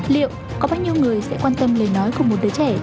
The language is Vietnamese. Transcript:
liệu có bao nhiêu người sẽ quan tâm lời nói của một đứa trẻ